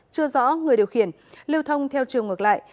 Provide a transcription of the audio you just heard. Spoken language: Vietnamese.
chưa rõ người điều khiển lưu thông theo chiều ngược lại